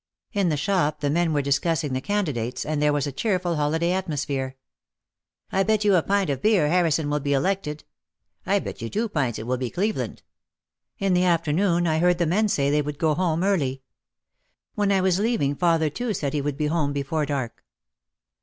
In the shop the men were discussing the candidates and there was a cheerful holi day atmosphere. "I bet you a pint of beer Harrison will be elected." "I bet you two pints it will be Cleveland." In the afternoon I heard the men say they would go 1 SAW THE JEWISH MEN HURRYING HOME FROM WORK. OUT OF THE SHADOW 101 home early. When I was leaving father too said he would be home before dark.